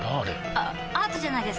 あアートじゃないですか？